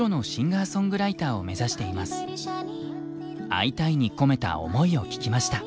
「アイタイ！」に込めた思いを聞きました。